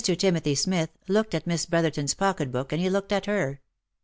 Timothy Smith looked at Miss Brotherton's pocket book and he looked at her.